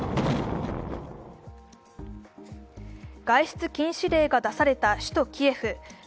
外出禁止令が出された首都キエフ。